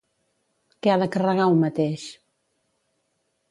Què ha de carregar un mateix?